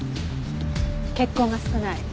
血痕が少ない。